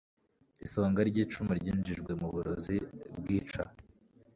Isonga ryicumu ryinjijwe muburozi bwica